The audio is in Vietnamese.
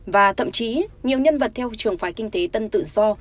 và thậm chí nhiều nhân vật theo trường phái kinh tế tân tự do